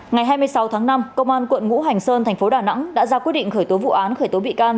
ngày hai mươi sáu tháng năm công an quận ngũ hành sơn thành phố đà nẵng đã ra quyết định khởi tố vụ án khởi tố bị can